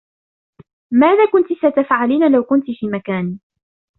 ماذا كنتِ ستفعَلينَ لو كنتِ في مكاني؟